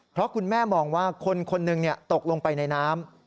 เพราะคุณแม่มองว่าคนคนหนึ่งตกลงไปในน้ำ